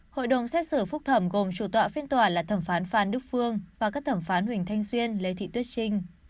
hội đồng xét xử phúc thẩm gồm chủ tọa phiên tòa là thẩm phán phan đức phương và các thẩm phán huỳnh thanh xuyên lê thị tuyết trinh